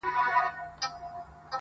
شیخ پیودلی د ریا تار په تسبو دی,